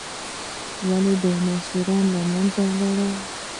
ولې ډیناسورونه له منځه لاړل؟